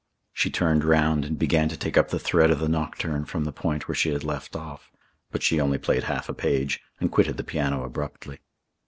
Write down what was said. She turned round and began to take up the thread of the Nocturne from the point where she had left off; but she only played half a page and quitted the piano abruptly.